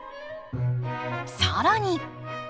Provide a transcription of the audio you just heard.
更に。